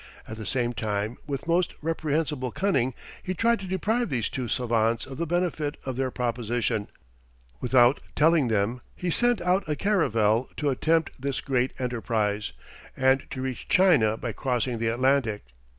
At the same time, with most reprehensible cunning, he tried to deprive these two savants of the benefit of their proposition; without telling them, he sent out a caravel to attempt this great enterprise, and to reach China by crossing the Atlantic.